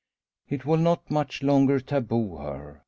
It will not much longer taboo her.